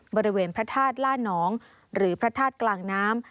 บริเวณพระธาตุล่านองหรือพระธาตุกลางน้ำ